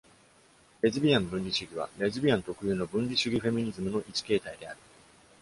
レズビアン分離主義はレズビアン特有の分離主義フェミニズムの一形態である。